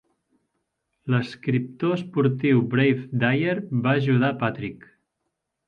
L'escriptor esportiu Brave Dyer va ajudar Patrick.